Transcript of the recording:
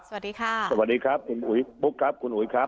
สวัสดีค่ะสวัสดีครับคุณอุ๋ยบุ๊คครับคุณอุ๋ยครับ